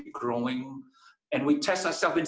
dan kita mencoba diri kita di sydney